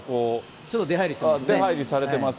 ちょっと出入りされています。